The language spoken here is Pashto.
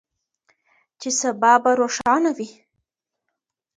چې سبا به روښانه وي.